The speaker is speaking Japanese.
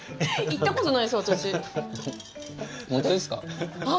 行ったことないですよ、私。